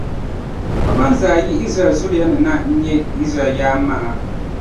pa bɛn zaa yi Izraɛl zuliya ni na n-nyɛ Izraɛl yaan’ maŋa.